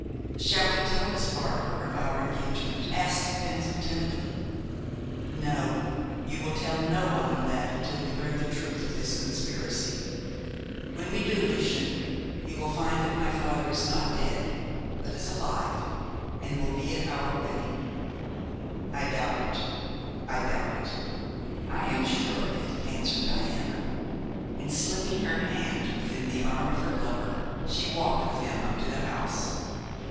"Shall we tell Miss Barbar of our engagement?" asked Denzil timidly. "No; you will tell no one of that until we learn the truth of this conspiracy. When we do, Lucian, you will find that my father is not dead but is alive, and will be at our wedding." "I doubt it I doubt it." "I am sure of it," answered Diana, and slipping her hand within the arm of her lover she walked with him up to the house.